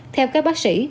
theo các bác sĩ